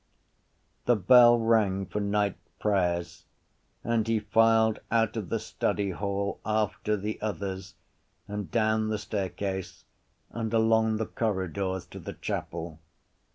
The bell rang for night prayers and he filed out of the study hall after the others and down the staircase and along the corridors to the chapel.